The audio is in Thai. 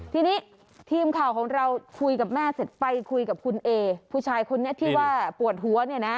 ทีนี้ทีมข่าวของเราคุยกับแม่เสร็จไปคุยกับคุณเอผู้ชายคนนี้ที่ว่าปวดหัวเนี่ยนะ